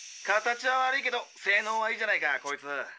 形は悪いけど性能はいいじゃないかこいつ。